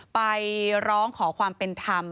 ไปร้องขอความเป็นธรรม